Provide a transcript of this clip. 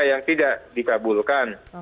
yang tidak dikabulkan